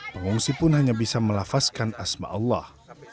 pengungsi pun hanya bisa melafazkan asma allah